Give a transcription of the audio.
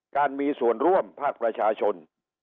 การมีส่วนร่วมภาคประชาชน